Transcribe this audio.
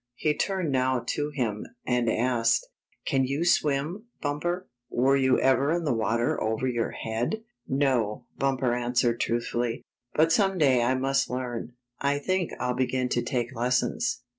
He turned now to him, and asked: "Can you swim. Bumper? Were you ever in the water over your head? " "No," Bumper answered truthfully, "but some day I must learn. I think I'll begin to take lessons."